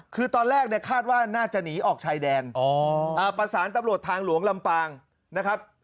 คือตอนแรกเนี่ยคาดว่าน่าจะหนีออกชายแดนประสานตำรวจทางหลวงลำปางนะครับ